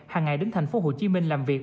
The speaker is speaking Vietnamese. hàng ngày đến tp hcm làm việc